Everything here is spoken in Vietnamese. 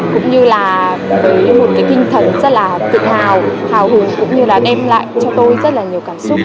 cũng như là với một cái tinh thần rất là tự hào hào hứng cũng như là đem lại cho tôi rất là nhiều cảm xúc